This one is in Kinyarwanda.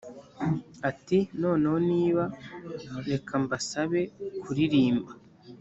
ati “noneho niba reka mbasab kuririmba”